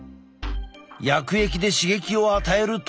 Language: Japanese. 薬液で刺激を与えると。